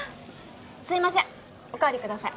すいませんおかわりください。